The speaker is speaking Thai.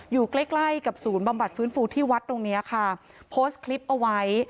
อยู่ใกล้ใกล้กับศูนย์บำบัดฟื้นฟูที่วัดตรงเนี้ยค่ะโพสต์คลิปเอาไว้